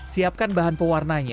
siapkan bahan pewarnaannya